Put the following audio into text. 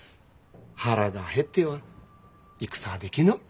「腹が減っては戦はできぬ」。